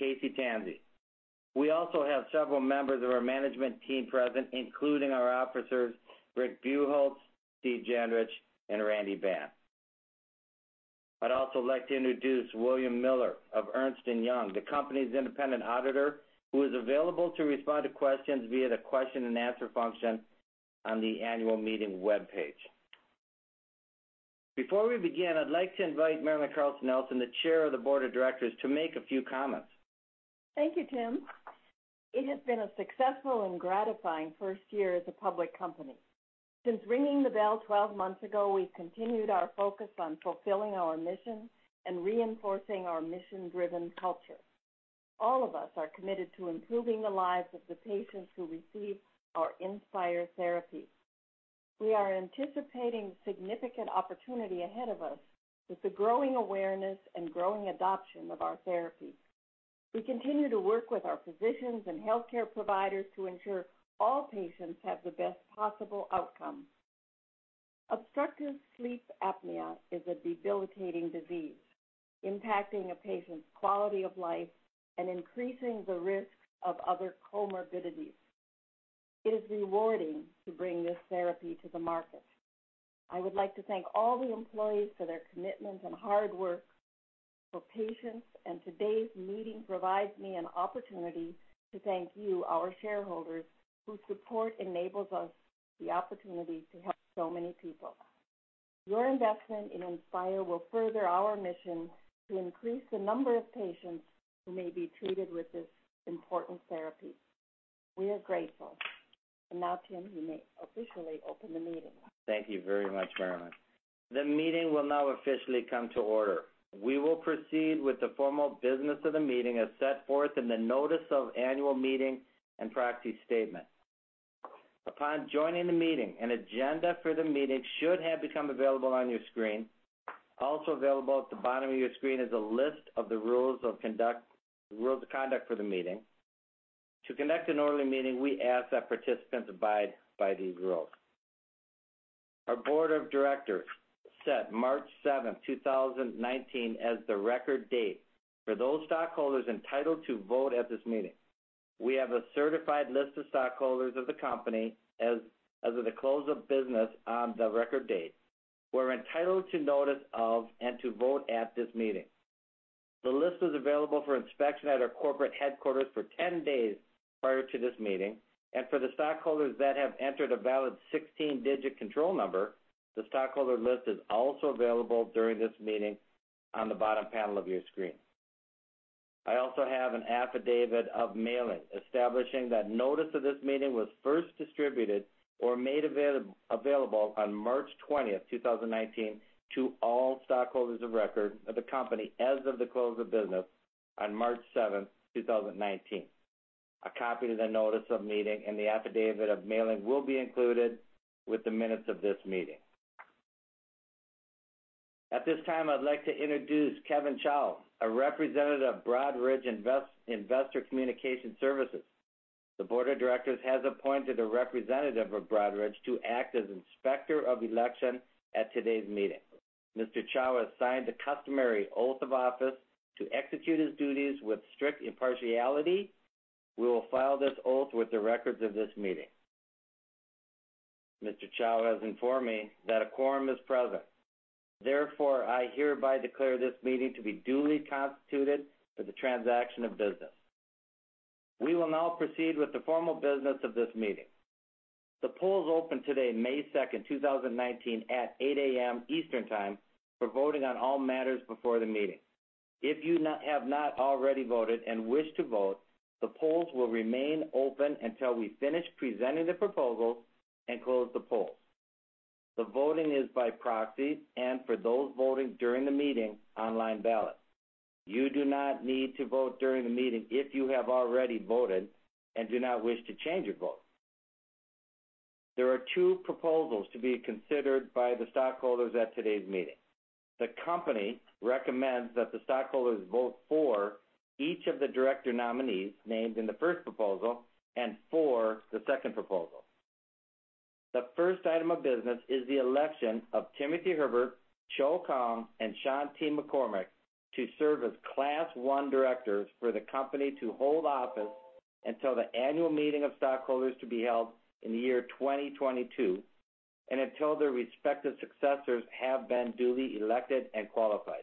Mead and Casey Tansey. We also have several members of our management team present, including our officers, Rick Buchholz, Steve Jandrich, and Randy Ban. I'd also like to introduce William Miller of Ernst & Young, the company's independent auditor, who is available to respond to questions via the question and answer function on the annual meeting webpage. Before we begin, I'd like to invite Marilyn Carlson Nelson, the chair of the board of directors, to make a few comments. Thank you, Tim. It has been a successful and gratifying first year as a public company. Since ringing the bell 12 months ago, we've continued our focus on fulfilling our mission and reinforcing our mission-driven culture. All of us are committed to improving the lives of the patients who receive our Inspire therapy. We are anticipating significant opportunity ahead of us with the growing awareness and growing adoption of our therapy. We continue to work with our physicians and healthcare providers to ensure all patients have the best possible outcome. obstructive sleep apnea is a debilitating disease, impacting a patient's quality of life and increasing the risk of other comorbidities. It is rewarding to bring this therapy to the market. I would like to thank all the employees for their commitment and hard work for patients, today's meeting provides me an opportunity to thank you, our shareholders, whose support enables us the opportunity to help so many people. Your investment in Inspire will further our mission to increase the number of patients who may be treated with this important therapy. We are grateful. Now, Tim, you may officially open the meeting. Thank you very much, Marilyn. The meeting will now officially come to order. We will proceed with the formal business of the meeting as set forth in the notice of annual meeting and proxy statement. Upon joining the meeting, an agenda for the meeting should have become available on your screen. Also available at the bottom of your screen is a list of the rules of conduct for the meeting. To conduct an orderly meeting, we ask that participants abide by these rules. Our board of directors set March 7th, 2019, as the record date for those stockholders entitled to vote at this meeting. We have a certified list of stockholders of the company as of the close of business on the record date who are entitled to notice of and to vote at this meeting. The list is available for inspection at our corporate headquarters for 10 days prior to this meeting. For the stockholders that have entered a valid 16-digit control number, the stockholder list is also available during this meeting on the bottom panel of your screen. I also have an affidavit of mailing establishing that notice of this meeting was first distributed or made available on March 20th, 2019, to all stockholders of record of the company as of the close of business on March 7th, 2019. A copy of the notice of meeting and the affidavit of mailing will be included with the minutes of this meeting. At this time, I'd like to introduce Kevin Chow, a representative of Broadridge Investor Communication Services. The board of directors has appointed a representative of Broadridge to act as inspector of election at today's meeting. Mr. Chow has signed the customary oath of office to execute his duties with strict impartiality. We will file this oath with the records of this meeting. Mr. Chow has informed me that a quorum is present. I hereby declare this meeting to be duly constituted for the transaction of business. We will now proceed with the formal business of this meeting. The polls opened today, May 2nd, 2019, at 8:00 A.M. Eastern Time for voting on all matters before the meeting. If you have not already voted and wish to vote, the polls will remain open until we finish presenting the proposals and close the polls. The voting is by proxy and for those voting during the meeting, online ballot. You do not need to vote during the meeting if you have already voted and do not wish to change your vote. There are two proposals to be considered by the stockholders at today's meeting. The company recommends that the stockholders vote for each of the director nominees named in the first proposal and for the second proposal. The first item of business is the election of Timothy Herbert, Chau Khuong, and Shawn T. McCormick to serve as Class I directors for the company to hold office until the annual meeting of stockholders to be held in the year 2022 and until their respective successors have been duly elected and qualified.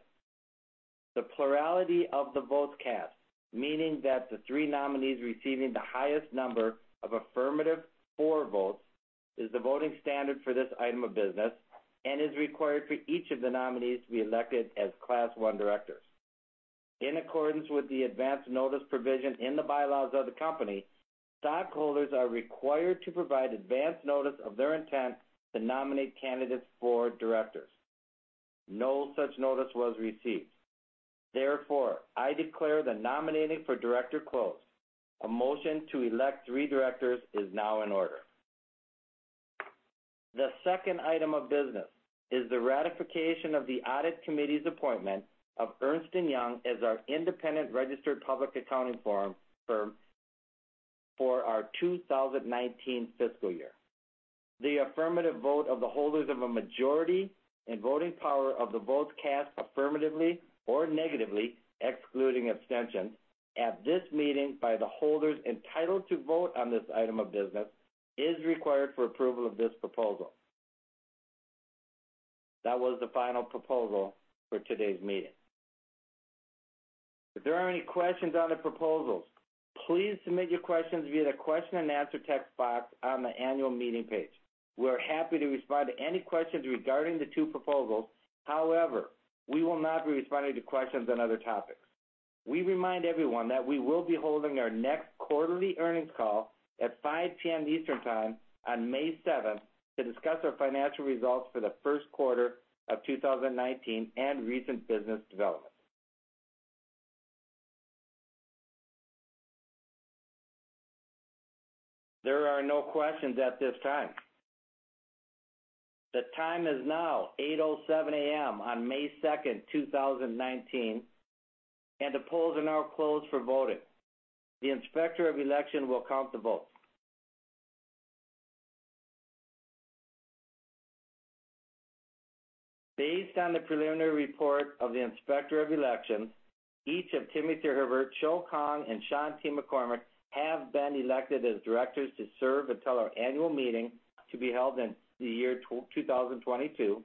The plurality of the votes cast, meaning that the three nominees receiving the highest number of affirmative "for" votes is the voting standard for this item of business and is required for each of the nominees to be elected as Class I directors. In accordance with the advance notice provision in the bylaws of the company, stockholders are required to provide advance notice of their intent to nominate candidates for directors. No such notice was received. I declare the nominating for director closed. A motion to elect three directors is now in order. The second item of business is the ratification of the audit committee's appointment of Ernst & Young as our independent registered public accounting firm for our 2019 fiscal year. The affirmative vote of the holders of a majority in voting power of the votes cast affirmatively or negatively, excluding abstentions, at this meeting by the holders entitled to vote on this item of business is required for approval of this proposal. That was the final proposal for today's meeting. If there are any questions on the proposals, please submit your questions via the question-and-answer text box on the annual meeting page. We're happy to respond to any questions regarding the two proposals. However, we will not be responding to questions on other topics. We remind everyone that we will be holding our next quarterly earnings call at 5:00 P.M. Eastern Time on May 7 to discuss our financial results for the first quarter of 2019 and recent business developments. There are no questions at this time. The time is now 8:07 A.M. on May 2, 2019, and the polls are now closed for voting. The Inspector of Election will count the votes. Based on the preliminary report of the Inspector of Election, each of Timothy Herbert, Chau Khuong, and Shawn T. McCormick. have been elected as directors to serve until our annual meeting to be held in the year 2022,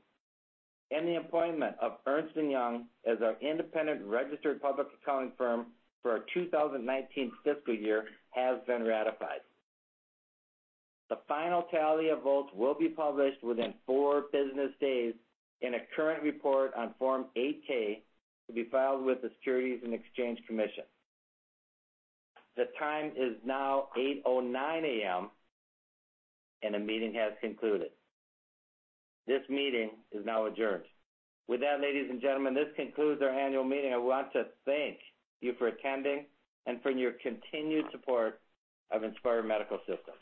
and the appointment of Ernst & Young as our independent registered public accounting firm for our 2019 fiscal year has been ratified. The final tally of votes will be published within four business days in a current report on Form 8-K to be filed with the Securities and Exchange Commission. The time is now 8:09 A.M., and the meeting has concluded. This meeting is now adjourned. With that, ladies and gentlemen, this concludes our annual meeting, and we want to thank you for attending and for your continued support of Inspire Medical Systems.